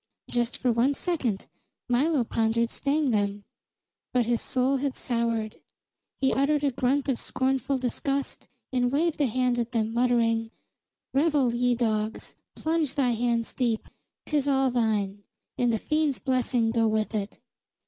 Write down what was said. Just for one second Milo pondered staying them. But his soul had soured; he uttered a grunt of scornful disgust, and waved a hand at them, muttering: "Revel, ye dogs! Plunge thy hands deep. 'Tis all thine, and the fiend's blessing go with it!"